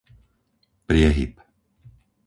priehyb